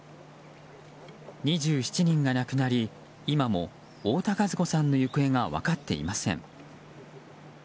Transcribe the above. ２７人が亡くなり今も太田和子さんの行方が分かっていません。